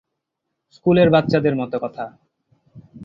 স্কুলের বাচ্চাদের মতো কথা।